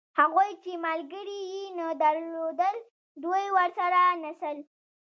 هغوی چې ملګري یې نه درلودل دوی ورسره نڅل.